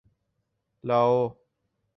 لاؤ